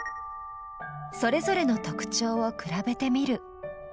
それぞれの特徴を比べてみる。